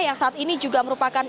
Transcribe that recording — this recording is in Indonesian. yang saat ini juga merupakan